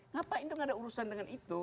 ngapain itu gak ada urusan dengan itu